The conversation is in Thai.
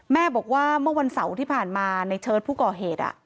แม่บอกว่าเมื่อวันเสาร์ที่ผ่านมาในเชิดผู้ก่อเหตุ